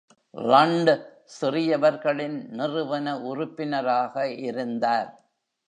Lund சிறியவர்களின் நிறுவன உறுப்பினராக இருந்தார்.